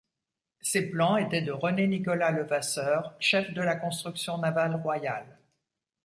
Ses plans étaient de René-Nicolas Levasseur chef de la construction navale royale.